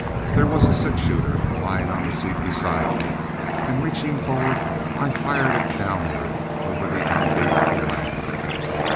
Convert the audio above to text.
There was a six shooter lying on the seat beside me, and reaching forward I fired it downward over the end gate of the wagon.